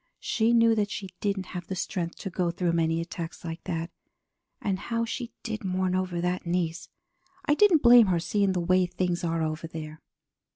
She knew that she didn't have the strength to go through many attacks like that, and how she did mourn over that niece. I didn't blame her, seeing the way things are over there.